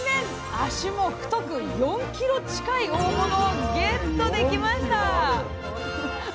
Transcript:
足も太く４ｋｇ近い大物をゲットできました！